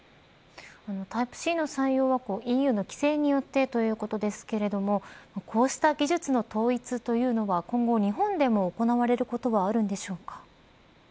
タイプＣの採用はＥＵの規制によってということですけれどこうした技術の統一は今後日本でも行われることはあるのでしょうか。